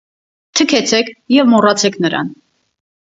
- Թքեցեք և մոռացեք նրան: